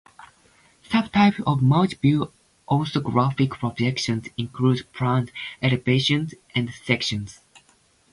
Sub-types of multiview orthographic projections include "plans", "elevations" and "sections".